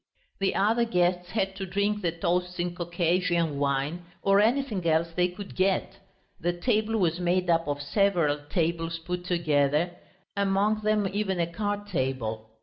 The other guests had to drink the toasts in Caucasian wine or anything else they could get. The table was made up of several tables put together, among them even a card table.